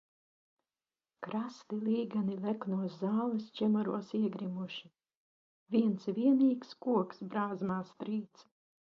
Krasti līgani leknos zāles čemuros iegrimuši, viens vienīgs koks brāzmās trīc.